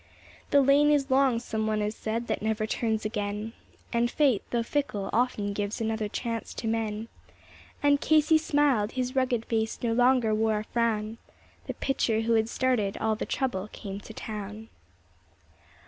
The lane is long, someone has said, that never turns again, And Fate, though fickle, often gives another chance to men. And Casey smiled his rugged face no longer wore a frown; The pitcher who had started all the trouble came to town.